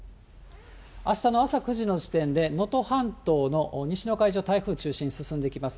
あしたの朝９時の時点で、能登半島の西の海上、台風の中心進んできます。